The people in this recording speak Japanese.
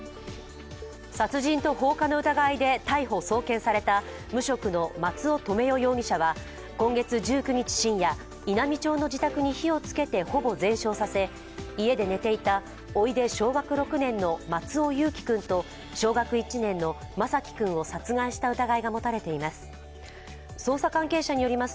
殺人と放火の疑いで逮捕・送検された無職の松尾留与容疑者は今月１９日深夜、稲美町の自宅に火をつけてほぼ全焼させ家で寝ていた、おいで小学６年の松尾侑城君と小学１年の眞輝君を殺害した疑いが持たれています。